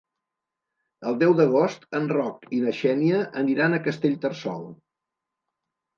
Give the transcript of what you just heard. El deu d'agost en Roc i na Xènia aniran a Castellterçol.